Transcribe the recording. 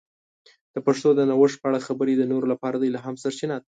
د پښتو د نوښت په اړه خبرې د نورو لپاره د الهام سرچینه ده.